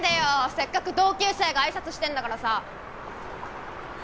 せっかく同級生が挨拶してんだからさ。